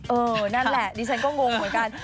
เออนั่นแหละดิฉันก็งงเหมือนกัน